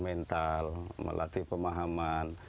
mental melatih pemahaman